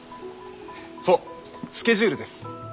そうスケジュールです。